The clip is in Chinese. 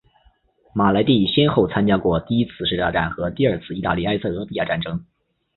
马莱蒂先后参加过第一次世界大战和第二次意大利埃塞俄比亚战争。